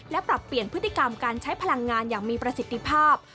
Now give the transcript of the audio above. และปรับเปลี่ยนพฤติกรรมการใช้พลังงานอย่างมีประสิทธิภาพ